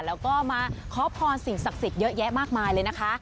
แล้วก็มาขอพรสิ่งศักดิ์สิทธิ์เยอะแยะมากมายเลยนะคะ